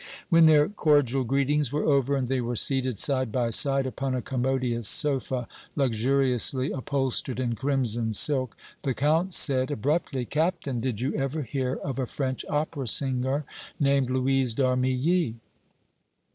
When their cordial greetings were over and they were seated side by side upon a commodious sofa luxuriously upholstered in crimson silk, the Count said, abruptly: "Captain, did you ever hear of a French opera singer named Louise d' Armilly?"